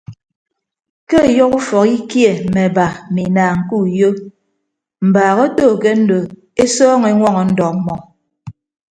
Ke ọyọhọ ufọk ikie mme aba mme inaañ ke uyo mbaak oto ke ndo esọọñọ eñwọñọ ndọ ọmmọ.